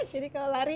jadi kalau lari